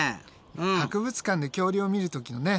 博物館で恐竜を見る時のね